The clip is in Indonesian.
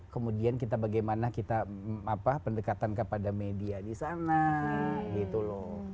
kemudian kita bagaimana kita pendekatan kepada media di sana gitu loh